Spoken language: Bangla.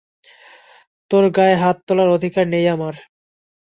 তোর গায়ে হাত তোলার অধিকার নেই আমার?